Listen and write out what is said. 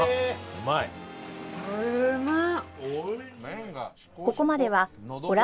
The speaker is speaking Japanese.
うまい。